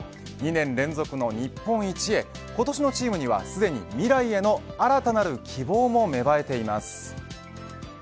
２年連続の日本一へ今年のチームにはすでに未来への新たなる希望も芽生えています。